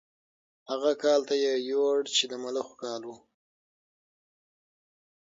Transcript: هغه کال ته یې یوړ چې د ملخو کال و.